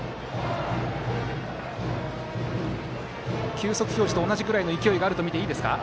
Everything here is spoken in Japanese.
球速表示と同じぐらいの勢いがあると見ていいですか。